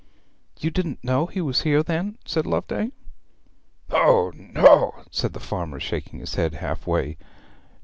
'You didn't know he was here, then?' said Loveday. 'O no!' said the farmer, shaking his head half way.